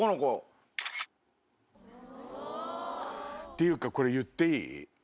ていうかこれ言っていい？